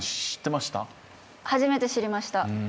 初めて知りました。